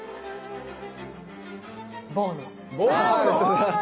ボーノ。